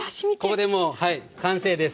ここでもう完成です。